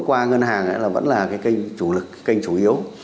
qua ngân hàng là vẫn là cái kênh chủ yếu